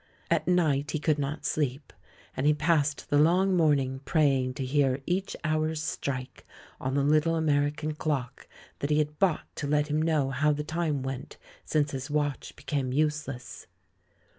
At night he could not sleep ; and he passed the long morning pray ing to hear each hour strike on the little Ameri can clock that he had bought to let him know how the time went since his watch became useless.